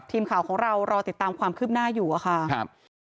ทีมข่าวของเรารอติดตามความคืบหน้าอยู่อะค่ะครับ